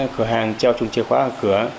cửa hàng treo chùm chìa khóa vào cửa